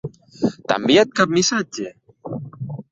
T'ha enviat cap missatge?